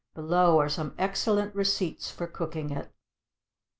Below are some excellent receipts for cooking it.